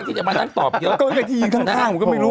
ข้อมูลของเหยื่อเขาบอกว่า